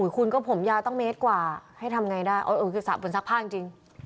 คุณก็ผมยาวตั้งเมตรกว่าให้ทำไงได้คือสระบนซักผ้าจริง